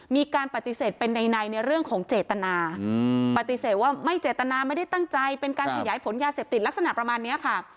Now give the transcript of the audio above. มีการปฏิเสธเป็นในในเรื่องของเจตนาปฏิเสธว่าไม่เจตนาไม่ได้ตั้งใจเป็นการขยายผลยาเสพติดลักษณะประมาณนี้ค่ะ